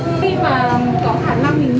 khi mà có khả năng mình nghĩ là bình yễm